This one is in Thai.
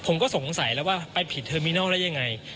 ผมก็สงสัยแล้วว่าไปผิดเทอร์มินอลได้ยังไง